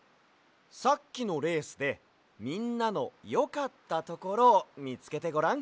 さっきのレースでみんなのよかったところをみつけてごらん。